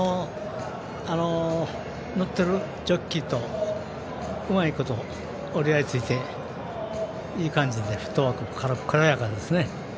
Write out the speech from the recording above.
乗ってるジョッキーとうまいこと折り合いついていい感じでフットワークも軽やかですね。